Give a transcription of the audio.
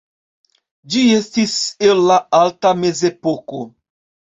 Ĝi estis el la alta mezepoko.